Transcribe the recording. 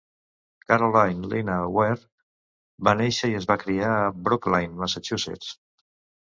Caroline "Lina" Ware va néixer i es va criar a Brookline, Massachusetts.